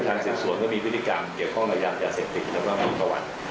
การเสร็จส่วนก็มีพฤติกรรมเกี่ยวข้องกับยามยาเศรษฐกิจแล้วก็มีประวัติ